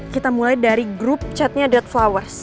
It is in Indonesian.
kita mulai dari grup chatnya dead fours